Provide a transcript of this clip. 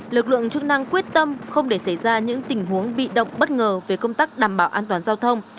lực lượng chức năng quyết tâm không để xảy ra những tình huống bị động bất ngờ về công tác đảm bảo an toàn giao thông